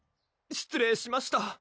失礼しました！